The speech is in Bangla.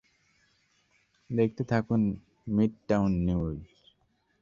দেখতে থাকুন মিডটাউন নিউজ।